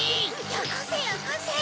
よこせよこせ！